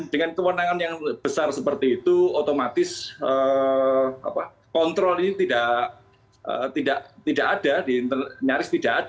dengan kewenangan yang besar seperti itu otomatis kontrol ini tidak ada di internal